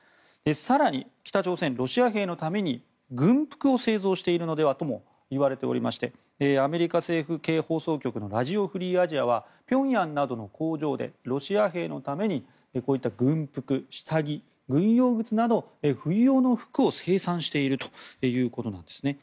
更に、北朝鮮ロシア兵のために軍服を製造しているのではとも言われていましてアメリカ政府系放送局のラジオ・フリー・アジアは平壌などの工場でロシア兵のためにこういった軍服、下着、軍用靴など冬用の服を生産しているということなんですね。